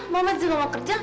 mama juga mau kerja